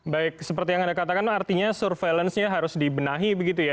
baik seperti yang anda katakan artinya surveillance nya harus dibenahi begitu ya